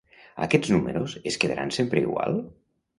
Aquests números es quedaran sempre igual?